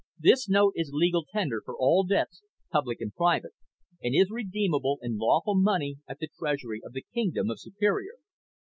This Note is Legal Tender for all Debts, Public and Private, and is Redeemable in Lawful Money at the Treasury of the Kingdom of Superior.